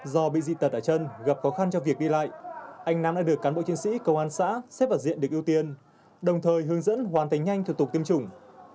do bị dị tật ở chân gặp khó khăn cho việc đi lại anh nam đã được cán bộ chiến sĩ công an xã xếp vào diện được ưu tiên đồng thời hướng dẫn hoàn thành nhanh thực tục tiêm chủng